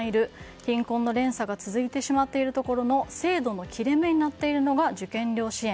貧困の連鎖が続いてしまっているところの制度の切れ目になっているのが受験料支援。